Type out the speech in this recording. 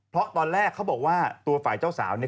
เพราะตอนแรกเขาบอกว่าตัวฝ่ายเจ้าสาวเนี่ย